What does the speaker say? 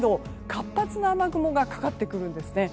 活発な雨雲がかかってくるんですね。